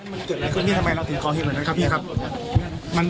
มันเกิดอะไรขึ้นนี่ทำไมเราถึงก่อเหตุแบบนั้นครับพี่ครับ